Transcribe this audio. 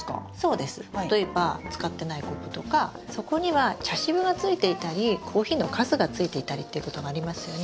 例えば使ってないコップとか底には茶渋がついていたりコーヒーのカスがついていたりっていうことがありますよね。